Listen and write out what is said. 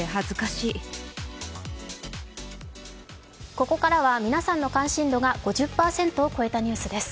ここからは皆さんの関心度が５０％を超えたニュースです。